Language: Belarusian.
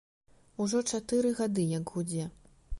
Ужо чатыры гады як гудзе.